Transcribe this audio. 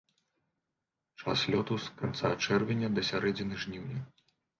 Час лёту з канца чэрвеня да сярэдзіны жніўня.